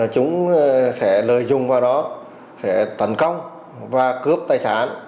chúng sẽ lợi dụng vào đó sẽ tấn công và cướp tài sản